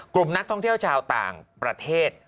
กลุ่มนักท่องเที่ยวชาวต่างประเทศ